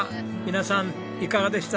皆さんいかがでした？